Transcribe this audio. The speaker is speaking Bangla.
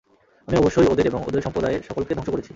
আমি অবশ্যই ওদের এবং ওদের সম্প্রদায়ের সকলকে ধ্বংস করেছি।